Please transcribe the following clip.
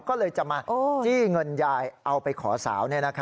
ก็เลยจะมาจี้เงินยายเอาไปขอสาว